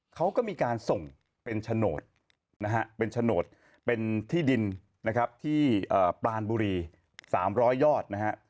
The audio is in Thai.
เขาก็มีการส่งเป็นฉโนดเป็นฉโนดเป็นที่ดินที่ปลานบุรี๓๐๐ยอดนะฮะ